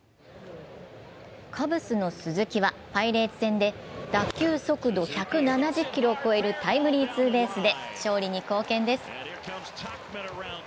カブスの鈴木はパイレーツ戦で打球速度１７０キロを超えるタイムリーツーベースで、勝利に貢献です。